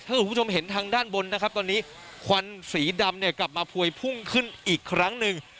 ถ้าคุณผู้ชมเห็นทางด้านบนนะครับตอนนี้ควันสีดำเนี่ยกลับมาพวยพุ่งขึ้นอีกครั้งหนึ่ง